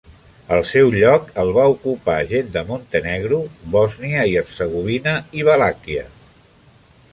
El seu lloc el va ocupar gent de Montenegro, Bòsnia i Hercegovina i Valàquia.